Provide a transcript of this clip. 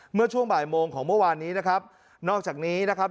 เมื่อช่วงบ่ายโมงของเมื่อวานนี้นะครับนอกจากนี้นะครับ